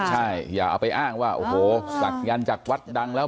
ใช่อย่าเอาไปอ้างว่าโอ้โหศักยันต์จากวัดดังแล้ว